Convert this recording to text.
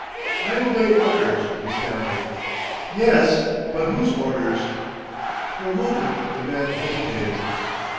"I obey orders," he stammered. "Yes; but whose orders?" For a moment the man hesitated.